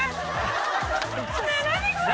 ねぇ何これ。